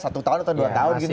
satu tahun atau dua tahun gitu